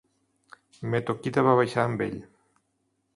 Metoquita va baixar amb ell.